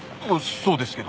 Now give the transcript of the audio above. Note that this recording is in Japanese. そうですけど。